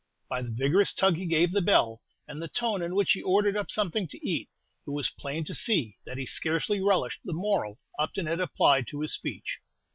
By the vigorous tug he gave the bell, and the tone in which he ordered up something to eat, it was plain to see that he scarcely relished the moral Upton had applied to his speech.